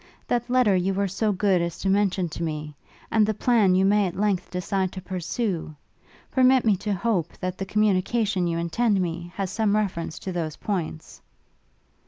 That letter you were so good as to mention to me? and the plan you may at length decide to pursue? permit me to hope, that the communication you intend me, has some reference to those points?'